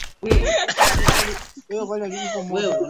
dawa ya artesunate anatumika kumtibu mama mjamzito kwa siku saba